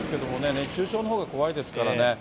熱中症のほうが怖いですからね。